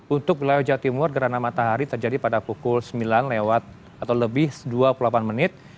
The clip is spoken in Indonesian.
untuk wilayah jawa timur gerhana matahari terjadi pada pukul sembilan lewat atau lebih dua puluh delapan menit